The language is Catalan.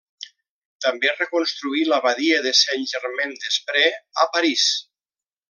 També reconstruí l'abadia de Saint-Germain-des-Prés, a París.